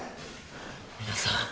皆さん